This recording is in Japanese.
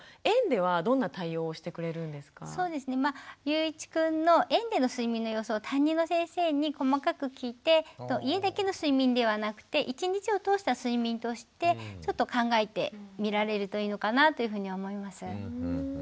ゆういちくんの園での睡眠の様子を担任の先生に細かく聞いて家だけの睡眠ではなくて１日を通した睡眠としてちょっと考えてみられるといいのかなというふうには思います。